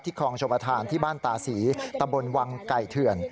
ที่คลองชมทานที่บ้านตาศรีตะบลวังไก่เถื่อน